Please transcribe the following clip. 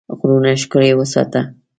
غرونه ښکلي وساته.